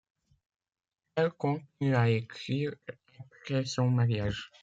Elle continue à écrire après son mariage.